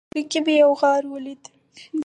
په غره کې مې یو غار ولید